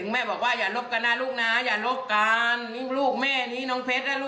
แม่ว่าโทครหอน้ายโทครหอน้าย